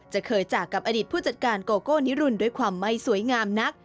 จะเคยจากกับอดีตผู้จัดการโกโก้นิรุนด้วยความไม่สวยงามนัก